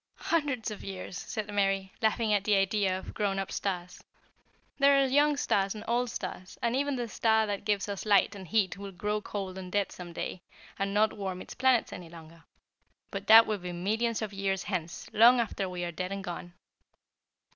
"Hundreds of years," said Mary, laughing at the idea of grown up stars. "There are young stars and old stars, and even the star that gives us light and heat will grow cold and dead some day, and not warm its planets any longer. But that will be millions of years hence, long after we are dead and gone."